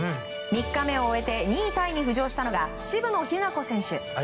３日目を終えて２位タイに浮上したのが渋野日向子選手。